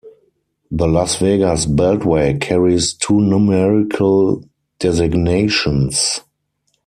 The Las Vegas Beltway carries two numerical designations.